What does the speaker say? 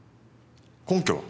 根拠は？